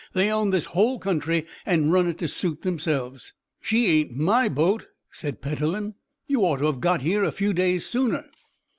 They own this whole country, and run it to suit themselves." "She ain't my boat," said Petellin. "You'd ought to have got here a few days sooner."